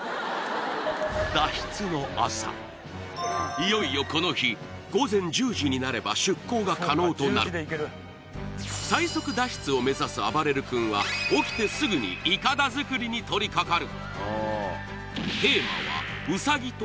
いよいよこの日午前１０時になれば出航が可能となる最速脱出を目指すあばれる君は起きてすぐにイカダ作りにとりかかる